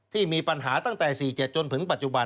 ที่มีปัญหาตั้งแต่๔๗จนถึงปัจจุบัน